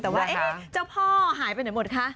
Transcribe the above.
แต่ว่าเจ้าพ่อหายไปไหนหมดคะ